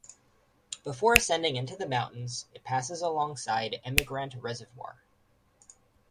Before ascending into the mountains, it passes alongside Emigrant Reservoir.